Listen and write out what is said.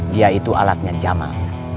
dia itu alatnya jamal